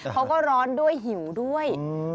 เขาก็ร้อนด้วยหิวด้วย